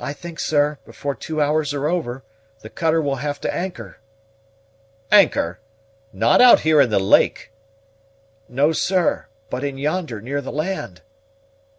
"I think, sir, before two hours are over, the cutter will have to anchor." "Anchor! not out here in the lake?" "No, sir; but in yonder, near the land."